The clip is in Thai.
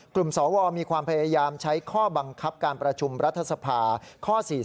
สวมีความพยายามใช้ข้อบังคับการประชุมรัฐสภาข้อ๔๔